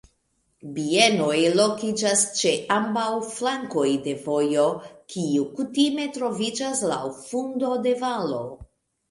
Bienoj lokiĝas ĉe ambaŭ flankoj de vojo, kiu kutime troviĝas laŭ fundo de valo.